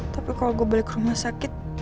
tapi kalau gue balik ke rumah sakit